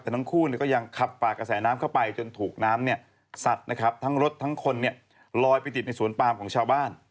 แต่ทั้งคู่ก็ยังขับปากกระแสน้ำเข้าไปจนถูกน้ำเนี่ยสัดนะครับทั้งรถทั้งคนเนี่ยลอยไปติดในสวนปามของชาวบ้าน